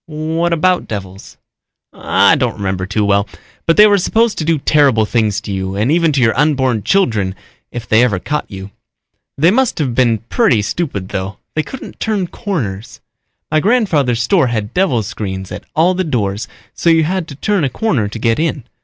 "What about devils?" "I don't remember too well, but they were supposed to do terrible things to you and even to your unborn children if they ever caught you. They must have been pretty stupid though; they couldn't turn corners. My grandfather's store had devil screens at all the doors so you had to turn a corner to get in.